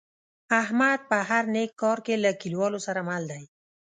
احمد په هر نیک کار کې له کلیوالو سره مل دی.